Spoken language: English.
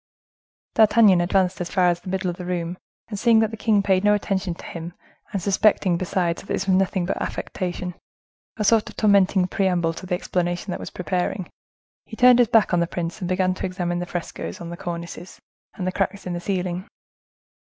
D'Artagnan advanced as far as the middle of the room, and seeing that the king paid no attention to him, and suspecting, besides, that this was nothing but affectation, a sort of tormenting preamble to the explanation that was preparing, he turned his back on the prince, and began to examine the frescoes on the cornices, and the cracks in the ceiling.